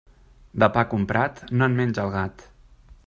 De pa comprat, no en menja el gat.